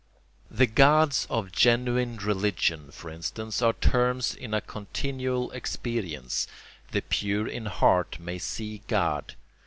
The gods of genuine religion, for instance, are terms in a continual experience: the pure in heart may see God.